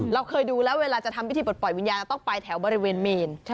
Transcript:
เราเคยดูแล้วเวลาจะทำพิธีปลดปล่อยวิญญาณเราต้องไปแถวบริเวณเมน